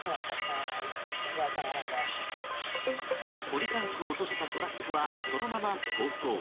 ポリタンクを落としたトラックは、そのまま逃走。